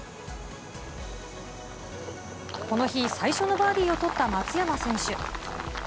この日、最初のバーディーを取った松山選手。